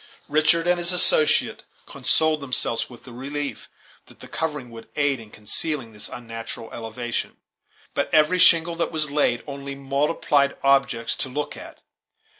Richard and his associate consoled themselves with the relief that the covering would aid in concealing this unnatural elevation; but every shingle that was laid only multiplied objects to look at.